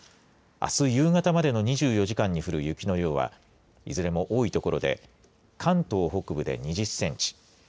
あす夕方までの２４時間に降る雪の量はいずれも多い所で関東北部で２０センチ